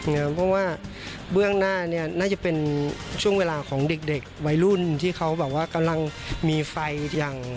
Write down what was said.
เพราะว่าเบื้องหน้าเนี่ยน่าจะเป็นช่วงเวลาของเด็กวัยรุ่นที่เขาแบบว่ากำลังมีไฟอย่าง